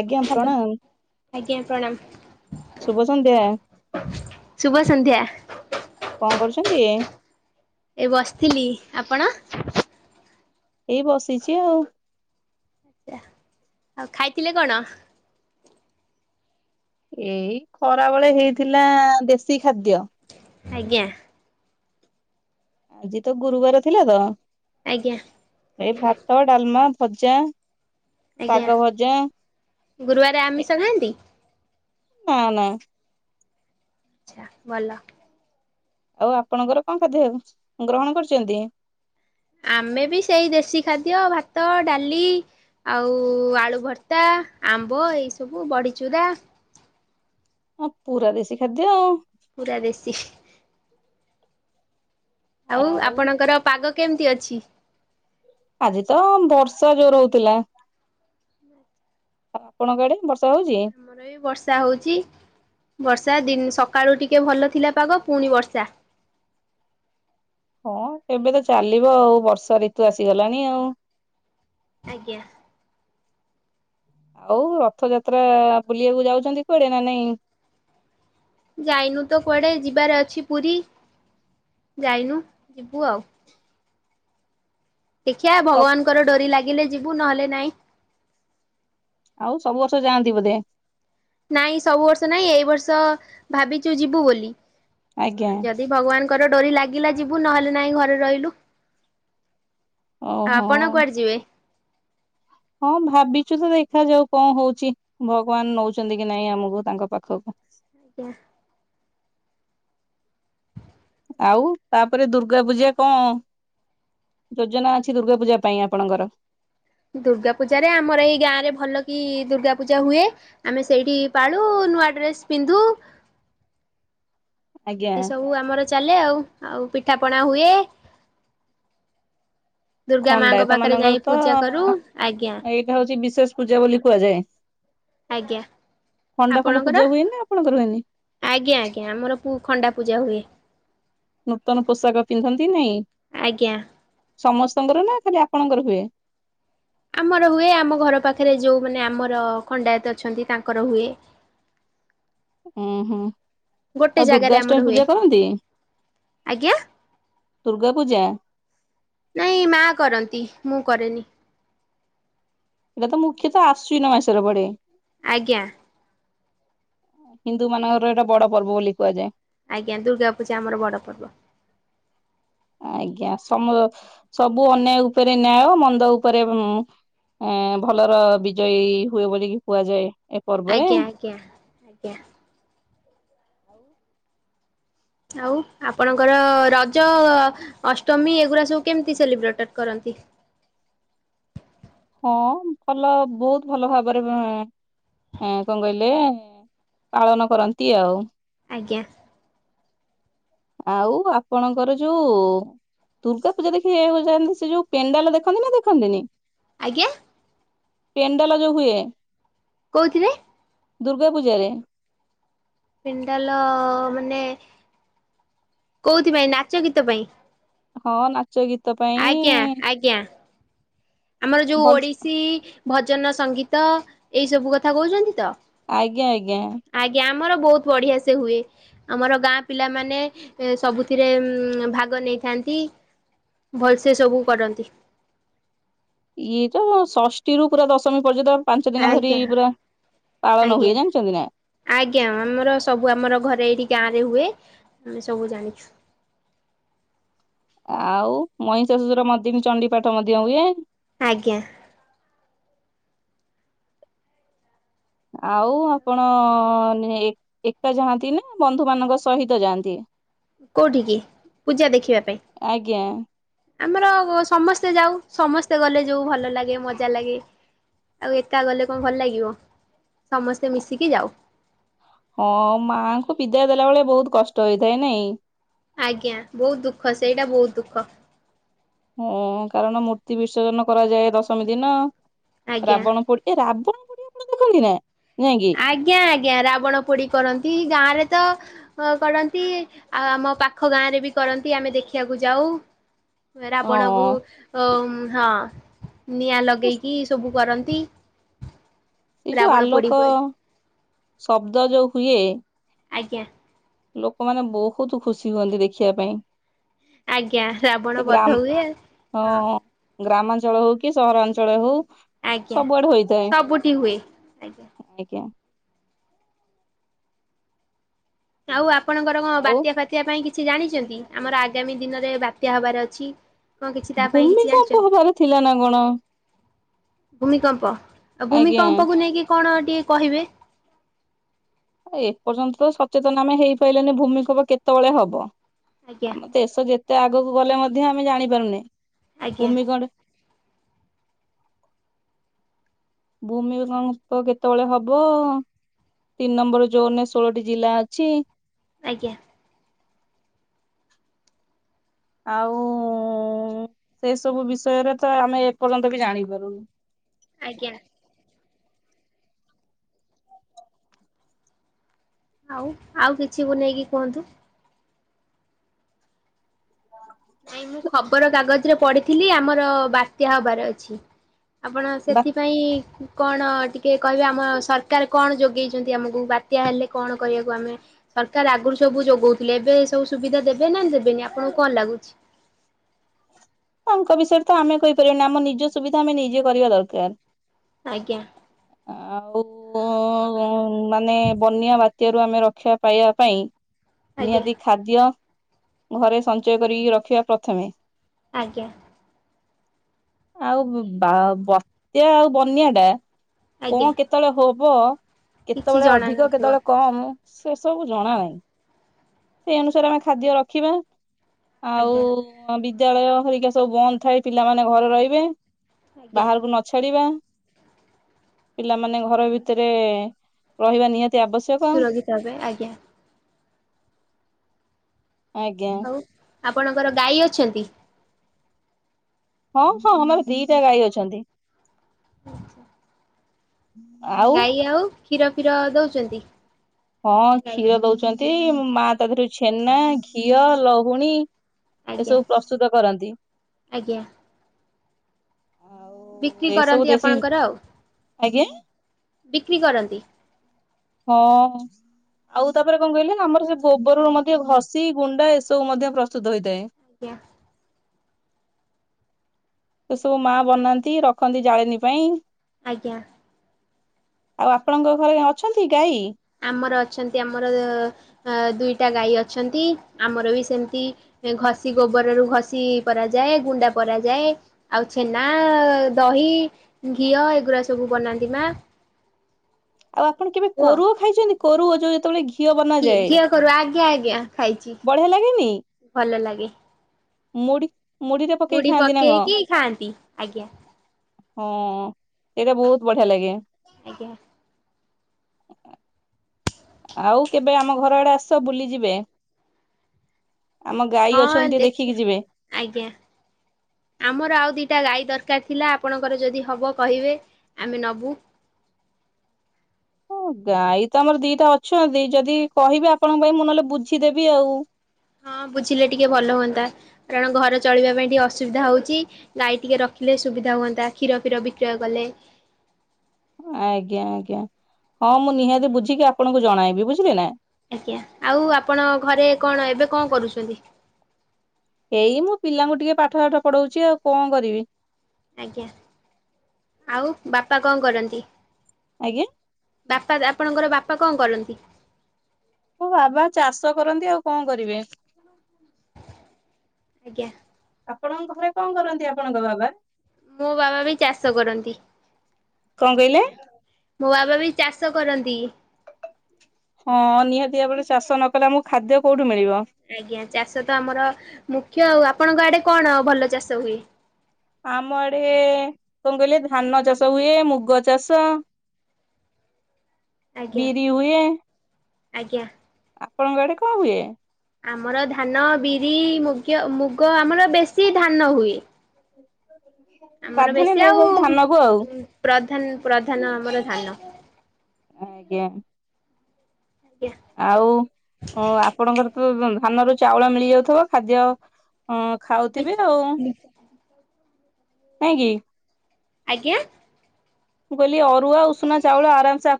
ଆଜ୍ଞା ହ୍ୟାଲୋ ପ୍ରଣାମ ଆଜ୍ଞା ଶୁଭ ସନ୍ଧ୍ୟା ପ୍ରଣାମ। ଶୁଭ ସଂନ୍ଧ୍ୟା ‌। କଣ କରୁଛନ୍ତି? ଏଇ ବସିଥିଲି। ଆପଣ? ଏଇ ବସିଛି ଆଉ। ଆଉ ଖାଇଥିଲେ କଣ? ଏଇ ଖରା ବେଳେ ହେଇଥିଲା ଦେଶୀ ଖାଦ୍ୟ ଆଜ୍ଞା। ଆଜି ତ ଗୁରୁବାର ଥିଲା ତ ଆଜ୍ଞା। ଏଇ ଭାତ, ଡାଲମା, ଭଜା, ଆଜ୍ଞା ଶାଗ ଭଜା ଗୁରୁବାରରେ ଏ ଆମିଷ ଖାଆନ୍ତି? ନା ନା। ଆଚ୍ଛା ଭଲ। ଆଉ ଆପଣଙ୍କର କଣ ଖାଦ୍ୟ ଗ୍ରହଣ କରୁଛନ୍ତି? ଆମେ ବି ସେଇ ଦେଶୀ ଖାଦ୍ୟ ଭାତ, ଡାଲି, ଆଉ ଆଳୁ ଭର୍ତ୍ତା, ଆମ୍ବ, ଏଇସବୁ ବଢିଚୁରା ହଁ ପୁରା ଦେଶୀ ଖାଦ୍ୟ ଆଉ। ପୁରା ଦେଶୀ। ଆଉ ଆପଣଙ୍କର ପାଗ କେମିତି ଅଛି? ଆଜି ତ ବର୍ଷା ଜୋର ହଉଥିଲା। ଆଉ ଆପଣଙ୍କ ଆଡେ ବର୍ଷା ହଉଛି? ଆମର ବି ବର୍ଷା ହୋଉଛି ବର୍ଷା ଦ ସକାଳୁ ଟିକେ ଭଲ ଥିଲା ପାଗ ପୁଣି ବର୍ଷା ହଁ ଏବେ ତ ଚାଲିବ ଆଉ ବର୍ଷା ଋତୁ ଆସିଗଲାଣି ଆଉ ଆଜ୍ଞା। ଆଉ ରଥଯାତ୍ରା ବୁଲିବାକୁ ଯାଉଛନ୍ତି କୁଆଡେ ନା ନାଇଁ? ଯାଇନୁ ତ କୁଆଡେ ଯିବାରେ ଅଛି ପୁରୀ। ଯାଇନୁ ଯିବୁ ଆଉ ଦେଖିବା ଭଗବାନଙ୍କର ଡୋରି ଲାଗିଲେ ଯିବୁ ନହେଲେ ନାଇଁ ଆଉ ସବୁ ବର୍ଷ ଯାଆନ୍ତି ବୋଧେ? ନାଇଁ ସବୁ ବର୍ଷ ନାଇଁ ଏଇ ବର୍ଷ ଭାବିଛୁ ଯିବୁ ବୋଲି ଆଜ୍ଞା ଯଦି ଭଗବାନ ଙ୍କର ଡୋରି ଲାଗିଲା ଯିବୁ ନହେଲେ ନାହିଁ ଘରେ ରହିଲୁ। ଆଉ ଓହୋ ଆପଣ କୁଆଡେ ଯିବେ? ହଁ ଭାବିଛୁ ତ ଦେଖା ଯାଉ କଣ ହଉଛି ଭଗବାନ ନଉଛନ୍ତି କି ନାଇଁ ଆମକୁ ତାଙ୍କ ପାଖକୁ ଆଜ୍ଞା। ଆଉ ତାପରେ ଦୁର୍ଗା ପୂଜା କଣ? ଯୋଜନା ଅଛି ଦୁର୍ଗା ପୂଜା ପାଇଁ ଆପଣଙ୍କର ଦୁର୍ଗା ପୂଜା ରେ ଆମର ଏଇ ଗାଁ ରେ ଭଲ କି ଦୁର୍ଗା ପୂଜା ହୁଏ। ଆମେ ସେଇଠି ପାଳୁ ନୂଆ ଡ୍ରେସ ପିନ୍ଧୁ ଆଜ୍ଞା ଏମିତି ସବୁ ଆମର ଚାଲେ ଆଉ ଆଉ ପିଠା ପଣା ହୁଏ। ଦୁର୍ଗା ମାଙ୍କ ଖଣ୍ଡାୟତ ପାଖରେ ଯାଇ ମାନଙ୍କର ତ ପୂଜା କରୁ ଆଜ୍ଞା ଏଇଟା ହଉଛି ବିଶେଷ ପୂଜା ବୋଲି କୁହାଯାଏ। ଆଜ୍ଞା ଖଣ୍ଡା ପଣ୍ଡା ଆପଣଙ୍କର? ପୂଜା ହୁଏନା ଆପଣଙ୍କର ନା ହୁଏନି? ଆଜ୍ଞା ଆଜ୍ଞା ଆମର ଖଣ୍ଡା ପୂଜା ହୁଏ। ନୂତନ ପୋଷାକ ପିନ୍ଧନ୍ତି ନାଇଁ? ଆଜ୍ଞା। ସମସ୍ତଙ୍କର ନା ଖାଲି ଆପଣଙ୍କର ହୁଏ? ଆମର ହୁଏ ଆମ ଘର ପାଖରେ ଯେଉଁମାନେ ଆମର ଖଣ୍ଡାୟତ ଅଛନ୍ତି ତାଙ୍କର ହୁଏ। ହଁ ହଁ ଗୋଟେ ଆଉ ଜାଗାରେ ଆମର ଦୁର୍ଗାଷ୍ଟମୀ ହୁଏ ପୂଜା କରନ୍ତି? ଆଜ୍ଞା। ଦୁର୍ଗା ପୂଜା। ନାଇଁ ମା କରନ୍ତି ମୁଁ କରେନି। ଏଇଟା ତ ମୁଖ୍ୟତଃ ଆଶ୍ୱିନ ମାସର ପଡେ। ଆଜ୍ଞା। ହିନ୍ଦୁ ମାନଙ୍କର ଏଇଟା ବଡ ପର୍ବ ବୋଲି କୁହାଯାଏ। ଆଜ୍ଞା ଦୁର୍ଗା ପୂଜା ଆମର ବଡ ପର୍ବ। ଆଜ୍ଞା ସମ ସବୁ ଅନ୍ୟାୟ ଉପରେ ନ୍ୟାୟ ମନ୍ଦ ଉପରେ ଏ ଭଲର ବିଜୟୀ ହୁଏ ବୋଲିକି କୁହାଯାଏ। ପର୍ବରେ। ଆଜ୍ଞା ଆଜ୍ଞା ଆଜ୍ଞା। [unintelligible] ଆଉ ଆପଣଙ୍କର ରଜ ଅଷ୍ଟମୀ ଏଗୁଡା ସବୁ କେମିତି ସେଲିବ୍ରେଟ କରନ୍ତି? ହଁ ଭଲ ବହୁତ୍ ଭଲ ଭାବରେ ଏଁ କଣ କହିଲେ ପାଳନ କରନ୍ତି ଆଉ। ଆଜ୍ଞା। ଆଉ ଆପଣଙ୍କର ଯୋଉ ଦୁର୍ଗା ପୂଜା ଦେଖିବାକୁ ଯାଆନ୍ତି ସେ ଯୋଉ ପେଣ୍ଡାଲ ଦେଖନ୍ତି ନା ଦେଖନ୍ତିନି? ଆଜ୍ଞା। ପେଣ୍ଡାଲ ଯୋଉ ହୁଏ। କୋଉଥିରେ? ଦୁର୍ଗା ପୂଜାରେ। ପେଣ୍ଡାଲ ମାନେ କୋଉଥିପାଇଁ ନାଚ ଗୀତ ପାଇଁ? ହଁ ନାଚ ଗୀତ ଆଜ୍ଞା ପାଇଁ। ଆଜ୍ଞା। ଆମର ଯୋଉ ଭଲ ଓଡ଼ିଶୀ ଭଜନ ସଙ୍ଗୀତ ଏଇ ସବୁ କଥା କହୁଛନ୍ତି ତ? ଆଜ୍ଞା ଆଜ୍ଞା। ଆଜ୍ଞା ଆମର ବହୁତ୍ ବଢିଆ ସେ ହୁଏ। ଆମର ଗାଁ ପିଲାମାନେ ସବୁଥିରେ ଭାଗ ନେଇଥାନ୍ତି। ଭଲସେ ସବୁ କରନ୍ତି। ଇଏ ଯୋଉ ଷଷ୍ଠୀ ରୁ ପୁରା ଦଶମୀ ପର୍ଯ୍ୟନ୍ତ ପାଞ୍ଚ ଦିନ ଧରି ଆଜ୍ଞା ପୁରା ପାଳନ ଆଜ୍ଞା। ହୁଏ। ଜାଣିଛନ୍ତି ନା। ଆଜ୍ଞା ଆମର ସବୁ ଆମର ଘରେ ଏଇଠି ଗାଁ ରେ ହୁଏ ଆମେ ସବୁ ଜାଣିଛୁ। ଆଉ ମହିଷା ଶ୍ୱଶୁର ର୍ମଦ୍ରୀନି ଚଣ୍ଡିପାଠ ମଧ୍ୟ ହୁଏ। ଆଜ୍ଞା। ଆଉ ଆପଣ ଏକା ଯାଆନ୍ତି ନା ବନ୍ଧୁ ମାନଙ୍କ ସହିତ ଯାଆନ୍ତି? କୋଉଠି କି ପୂଜା ଦେଖିବା ପାଇଁ। ଆଜ୍ଞା ଆମର ସମସ୍ତେ ଯାଉ ସମସ୍ତେ ଗଲେ ଯୋଉ ଭଲ ଲାଗେ ମଜା ଲାଗେ। ଆଉ ଏକା ଗଲେ କଣ ଭଲ ଲାଗିବ ସମସ୍ତେ ମିଶିକି ଯାଉ। ହଁ ମାଆଙ୍କୁ ବିଦାୟ ଦେଲା ବେଳେ ବହୁତ କଷ୍ଟ ହେଇଥାଏ ନାଇଁ। ଆଜ୍ଞା ବହୁତ ଦୁଃଖ ସେଇଟା ବହୁତ ଦୁଃଖ। ହଁ କାରଣ ମୂର୍ତ୍ତି ବିସର୍ଜନ କରାଯାଏ ଦଶମୀ ଦିନ ଆଜ୍ଞା। ରାବଣ ପ ଏ ରାବଣ ପୋଡି ଆପଣ ଦେଖନ୍ତି ନା ନାଇଁ କିି? ଆଜ୍ଞା ଆଜ୍ଞା ରାବଣ ପୋଡି କରନ୍ତି ଗାଁ ରେ ତ ଅ କରନ୍ତି ଆଉ ଆମ ପାଖ ଗାଁ ରେ ବି କରନ୍ତି ଆମେ ଦେଖିବାକୁ ଯାଉ। ରାବଣ କୁ ହଁ ଅ ହଁ ନିଆଁ ଲଗେଇକି ସବୁ କରନ୍ତି। ସେ ଯୋଉ ରାବଣ ପୋଡି ଆଲୋକ ହୁଏ ଶବ୍ଦ ଯୋଉ ହୁଏ ଆଜ୍ଞା। ଲୋକମାନେ ବହୁତ ଖୁସି ହୁଅନ୍ତି ଦେଖିବା ପାଇଁ। ଆଜ୍ଞା ଏ ଶାବଣ ବଧ ଗ୍ରାମ ହୁଏ ଆଉ ହଁ। ଗ୍ରାମାଞ୍ଚଳ ହଉ କି ସହରାଞ୍ଚଳ ହଉ ଆଜ୍ଞା। ସବୁଆଡେ ହୋଇଥାଏ। ସବୁଠି ହୁଏ ଆଜ୍ଞା। ଆଉ ଆପଣଙ୍କର କଣ ଆଉ ବାତ୍ୟା ଫତ୍ୟା ପାଇଁ କିଛି ଜାଣିଛନ୍ତି ଆମର ଆଗାମୀ ଦିନରେ ବାତ୍ୟା ହବାର ଅଛି। କଣ କିଛି ତା ପାଇଁ ଭୂମି କିଛି କମ୍ପ ଜାଣିଛନ୍ତି? ହେବାର ଥିଲା ନା କଣ। ଭୂମିକମ୍ପ ଆଉ ଆଜ୍ଞା ଭୂମିକମ୍ପକୁ ନେଇକି କଣ ଟିକେ କହିବେ। ଏପର୍ଯ୍ୟନ୍ତ ତ ସଚେତନ ଆମେ ହେଇପାରିଲାନି ଭୂମିକମ୍ପ କେତେବେଳେ ହବ ଆଜ୍ଞା ଆମ ଦେଶ ଯେତେ ଆଗକୁ ଗଲେ ମଧ୍ୟ ଆମେ ଜାଣିପାରୁନି ଆଜ୍ଞା ଭୂମିକଣ୍ଡ ଭୂମି କମ୍ପ କେତେବେଳେ ହବ ତିନି ନମ୍ବର ଜୋନ ରେ ଷୋଳଟି ଜିଲ୍ଲା ଅଛି। ଆଜ୍ଞା। ଆଉ ସେ ସବୁ ବିଷୟରେ ତ ଆମେ ଏପର୍ଯ୍ୟନ୍ତ ବି ଜାଣିପାରୁୁନ୍। ଆଜ୍ଞା। ଆଉ ଆଉ କିଛି ବି ନେଇକି କୁହନ୍ତୁ? ହଁ। ନାଇଁ ମୁଁ ଖବର କାଗଜରେ ପଢିଥିଲି ଆମର ବାତ୍ୟା ହବାର ଅଛି। ଆପଣ ସେଥିପାଇଁ କଣ ଟିକିଏ କହିବାେ ଆମ ସରକାର କଣ ଯୋଗେଇଛନ୍ତି ଆମକୁ ବାତ୍ୟା ହେଲେ କଣ କରିବାକୁ ଆମେ ସରକାର ଆଗରୁ ସବୁ ଯୋଗାଉଥିଲେ ଏବେ ଏ ସବୁ ସୁବିଧା ଦେବେ ନା ଦେବେନି ଆପଣଙ୍କୁ କଣ ଲାଗୁଛି? ତାଙ୍କ ବିଷୟରେ ତ ଆମେ କହିପାରିବନି ଆମ ନିଜ ସୁବିଧା ଆମେ ନିଜେ କରିବା ଦରକାର। ଆଜ୍ଞା। ଆଉ ମାନେ ବନ୍ୟା ବା ବାତ୍ୟାରୁ ଆମେ ରକ୍ଷା ପାଇବା ପାଇଁ ଆଜ୍ଞା ନିହାତି ଖାଦ୍ୟ ଘରେ ସଞ୍ଚୟ କରିକି ରଖିବା ପ୍ରଥମେ ଆଜ୍ଞା। ଆଉ ବା ବତ୍ୟା ଆଉ ବନ୍ୟା ଟା ଆଜ୍ଞା କଣ କେତେ କେତେବେଳେ ହବ କିଛି କେତେବେଳେ ଜଣା ଅଧିକ ନଥିବ କେତେବେଳେ କମ୍। ସେ ସବୁ ଜଣା ନାହିଁ ସେଇ ଅନୁସାରେ ଆମେ ଖାଦ୍ୟ ରଖିବା ଆଜ୍ଞା ଆଉ ବିଦ୍ୟାଳୟ ହେରିକା ସବୁ ବନ୍ଦ ଥାଏ ପିଲାମାନେ ଘରେ ରହିବେ ଆଜ୍ଞା। ବାହାରକୁ ନ ଛାଡିବା ପିଲାମାନେ ଘର ଭିତରେ ରହିବା ନିହାତି ଆବଶ୍ୟକ ସୁରକ୍ଷିତ ହେବେ ଆଜ୍ଞା ଆଜ୍ଞା। ଆଉ ଆପଣଙ୍କର ଗାଈ ଅଛନ୍ତି? ହଁ ହଁ ଆମର ଦିଟା ଗାଈ ଅଛନ୍ତି। [inaudible] ଗାଈ ଆଉ କ୍ଷୀର ଫିର ଦଉଛନ୍ତି? ହଁ ଗାଈ କ୍ଷୀର ଦଉଛନ୍ତି ମା ତା ଦେରୁ ଛେନା ଘିଅ ଲହୁଣୀ ଆଜ୍ଞା ଏସବୁ ପ୍ରସ୍ତୁତ କରନ୍ତି। ଆଜ୍ଞା। ଆଉ ବିକ୍ରି ଏସବୁ କରନ୍ତି ଦେଶୀ ଆପଣଙ୍କର ଆଉ ଆଜ୍ଞା ବିକ୍ରି କରନ୍ତି। ହଁ। ଆଉ ତାପରେ କଣ କହିଲେ ଆମର ସେ ଗୋବରରୁ ମଧ୍ୟ ଘଷି ଗୁଣ୍ଡା ଏସବୁ ମଧ୍ୟ ପ୍ରସ୍ତୁତ ହୋଇଥାଏ। ଆଜ୍ଞା। ଏ ସବୁ ମା ବନାନ୍ତି ରଖନ୍ତି ଜାଳେଣୀ ପାଇଁ। ଆଜ୍ଞା। ଆଉ ଆପଣଙ୍କ ଘରେ ଅଛନ୍ତି ଗାଈ? ଆମର ଅଛନ୍ତି ଆମର ଅ ଦୁଇଟା ଗାଈ ଅଛନ୍ତି ଆମର ବି ସେମିତି ଘଷି ଗୋବରରୁ ଘଷି କରାଯାଏ ଗୁଣ୍ଡ କରାଯାଏ। ଆଉ ଛେନା ଦହି, ଘିଅ ଏଗୁଡା ସବୁ ବନାନ୍ତି ମା। ଆଉ ଆପଣ କେବେ କୁ ଆଉ କୋରୁଅ ଖାଇଛନ୍ତି କୋରୁଅ ଯୋଉ ଯେତେବେଳେ ଘିଅ ବନାଯାଏ ଘିଅ କୋରୁଅ ଆଜ୍ଞା ଆଜ୍ଞା ଖାଇଛି ବଢିଆ ଲାଗେନି ଭଲ ଲାଗେ। ମୁଢି ମୁଢିରେ ପକେଇକି ଗୁଡି ଖାଆନ୍ତି ନା କଣ? ଖାଆନ୍ତି ଆଜ୍ଞା ହଁ ସେଇଟା ବହୁତ ବଢିଆ ଲାଗେ। ଆଜ୍ଞା। [inaudible] ଆଉ କେବେ ଆମ ଘର ଆଡେ ଆସ ବୁଲିଯିବେ? ଆମ ଗାଈ ଅଛନ୍ତି ହଁ ଟିକେ ଦେଖ ଦେଖିକି ଯିବେ? ଆଜ୍ଞା। ଆମର ଆଉ ଦୁଇଟା ଗାଈ ଦରକାର ଥିଲା ଆପଣଙ୍କର ଯଦି ହବ କହିବେ ଆମେ ନବୁ। ହଁ ଗାଈ ତ ଆମର ଦିଟା ଅଛନ୍ତି ଯଦି କହିବେ ଆପଣଙ୍କ ପାଇଁ ମୁଁ ନହେଲେ ବୁଝିଦେବି ଆଉ। ହଁ ବୁଝିଲେ ଟିକେ ଭଲ ହୁଅନ୍ତା କାରଣ ଘର ଚଳିବା ପାଇଁ ଟିକେ ଅସୁବିଧା ହଉଛି। ଗାଈ ଟିକେ ରଖିଲେ ସୁବିଧା ହୁଅନ୍ତା କ୍ଷୀର ଫିର ବିକ୍ରୟ କଲେ। ଆଜ୍ଞା ଆଜ୍ଞା ହଁ ମୁଁ ନିହାତି ବୁଝିକି ଆପଣଙ୍କୁ ଜଣାଇବି ବୁଝିଲି ନା। ଆଜ୍ଞା ଆଉ ଆପଣ ଘରେ କଣ ଏବେ କଣ କରୁଛନ୍ତି? ଏଇ ମୁଁ ପିଲାଙ୍କୁ ଟିକେ ପାଠ ଫାଠ ପଢଉଛି ଆଉ କଣ କରିବି। ଆଜ୍ଞା ଆଉ ବାପା କଣ କରନ୍ତି? ଆଜ୍ଞା। ବାପା ଆପଣଙ୍କର ବାପା କଣ କରନ୍ତି? ମୋ ବାବା ଚାଷ କରନ୍ତି ଆଉ କଣ କରିବେ। ଆଜ୍ଞା। ଆପଣଙ୍କ ଘରେ କଣ କରନ୍ତି ଆପଣଙ୍କ ବାବା? ମୋ ବାବା ବି ଚାଷ କରନ୍ତି। କଣ କହିଲେ? ମୋ ବାବା ବି ଚାଷ କରନ୍ତି। ହଁ ନିହାତି ଭାବରେ ଚାଷ ନ କଲେ ଆମକୁ ଖାଦ୍ୟ କୋଉଠୁ ମିଳିବ। ଆଜ୍ଞା ଚାଷ ତ ଆମର ମୁଖ୍ୟ ଆଉ। ଆପଣଙ୍କ ଆଡେ କଣ ଭଲ ଚାଷ ହୁଏ? ଆମ ଆଡେ କଣ କହିଲେ ଧାନ ଚାଷ ହୁଏ ମୁଗ ଚାଷ [inaudible] ଆଜ୍ଞା ବିରି ହୁଏ। ଆଜ୍ଞା। ଆପଣଙ୍କ ଆଡେ କଣ ହୁଏ? ଆମର ଧାନ, ବିରି, ମୁଗ, ମୁଗ ଆମର ବେଶୀ ଧାନ ହୁଏ। ଆମର ପ୍ରାଧାନ୍ୟ ବେଶୀ ଆଉ ଦିଆଯାଏ ଧାନକୁ ଆଉ ପ୍ରଧାନ ପ୍ରଧାନ ଆମର ଧାନ। ଆଜ୍ଞା। ଆଜ୍ଞା [unintelligible] ଆଉ ଆପଣଙ୍କର ତ ଧାନରୁ ଚାଉଳ ମିଳିଯାଉଥିବ ଖାଦ୍ୟ ହଁ ଖାଉଥିବେ ଆଉ କାହିଁକି? ଆଜ୍ଞା। ମୁଁ କହିଲ ଅରୁଆ ଉଷୁନା ଚାଉଳ ଆରାମ ସେ